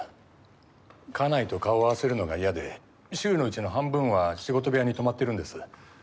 家内と顔を合わせるのが嫌で週のうちの半分は仕事部屋に泊まってるんです。